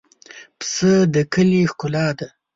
پسه د کلي ښکلا ده.